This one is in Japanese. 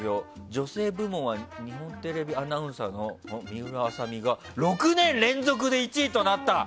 女性部門は日本テレビアナウンサーの水卜麻美が６年連続で１位となった。